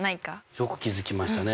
よく気付きましたね。